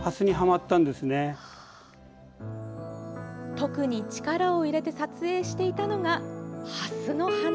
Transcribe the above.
特に力を入れて撮影していたのがハスの花。